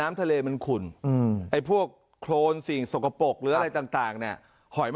น้ำทะเลมันขุ่นไอผัวกโครลสิ่งสกปรกหรืออะไรต่างเนี่ย